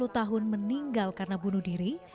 delapan puluh tahun meninggal karena bunuh diri